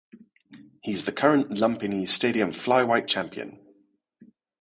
He is the current Lumpinee Stadium Flyweight champion.